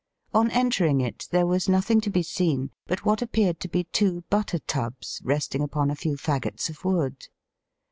On entering it there was nothing to be seen but what appeared to be two butter tubs resting upon a few faggots of wood.